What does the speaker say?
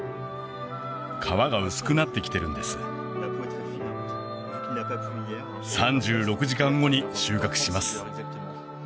皮が薄くなってきてるんです３６時間後に収穫します